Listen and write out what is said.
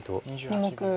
２目。